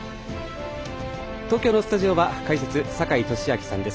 東京のスタジオは解説、坂井利彰さんです。